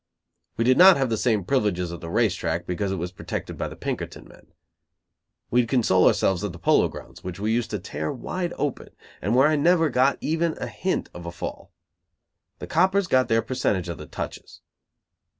We did not have the same privileges at the race track, because it was protected by the Pinkerton men. We'd console ourselves at the Polo grounds, which we used to tear wide open, and where I never got even a hint of a fall; the coppers got their percentage of the touches.